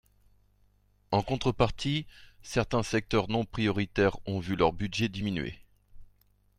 En contrepartie, certains secteurs non prioritaires ont vu leur budget diminuer.